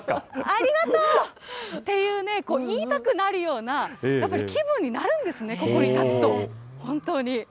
ありがとうっていうね、言いたくなるような、やっぱり気分になるんですね、ここに立つと、本当に。